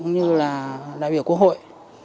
như là đại biểu quốc hội